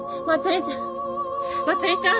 まつりちゃん？